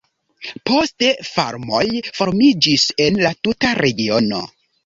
Poste farmoj formiĝis en la tuta regiono.